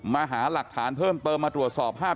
หาหลักฐานเพิ่มเติมมาตรวจสอบภาพ